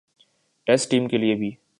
test team کے لیے بھی